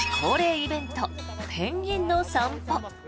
イベントペンギンの散歩。